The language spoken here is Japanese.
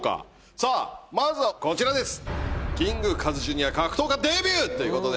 さあまずはこちらです。